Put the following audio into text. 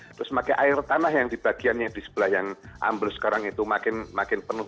itu semakin air tanah yang di bagian yang di sebelah yang amble sekarang itu makin penuh